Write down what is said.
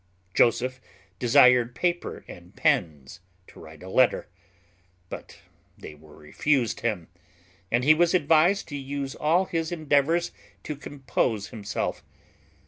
Joseph desired paper and pens, to write a letter, but they were refused him; and he was advised to use all his endeavours to compose himself.